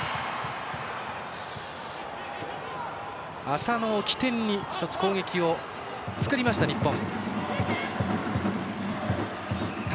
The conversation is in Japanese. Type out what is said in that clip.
浅野を起点に攻撃を作りました日本。